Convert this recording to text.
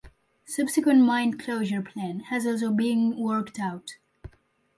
Subsequent mine closure plan has also been worked out.